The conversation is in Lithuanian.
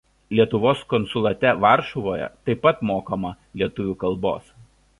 Lietuvos konsulate Varšuvoje t. p. mokoma lietuvių kalbos.